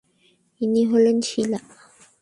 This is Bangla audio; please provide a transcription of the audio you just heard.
ইনি হলেন শীলা।